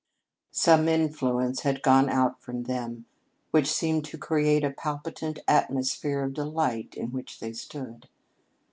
Some influence had gone out from them which seemed to create a palpitant atmosphere of delight in which they stood.